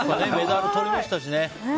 メダルとりましたしね。